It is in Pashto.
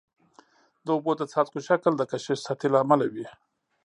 د اوبو د څاڅکو شکل د کشش سطحي له امله وي.